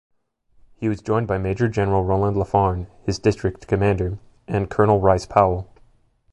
He was joined by Major-General Rowland Laugharne, his district commander, and Colonel Rice Powell.